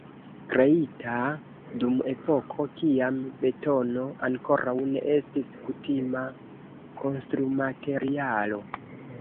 Kreita dum epoko, kiam betono ankoraŭ ne estis kutima konstrumaterialo.